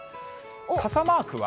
傘マークは？